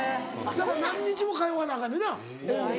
だから何日も通わなアカンねんなっ。